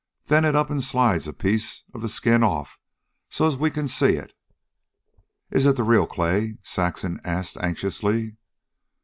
Then it up an' slides a piece of the skin off so as we can see it." "Is it the real clay?" Saxon asked anxiously.